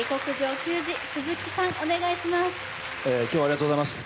今日はありがとうございます。